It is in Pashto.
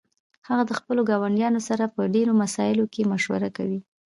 هغه د خپلو ګاونډیانو سره په ډیرو مسائلو کې مشوره کوي